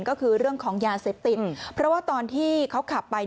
ก็คือเรื่องของยาเสพติดเพราะว่าตอนที่เขาขับไป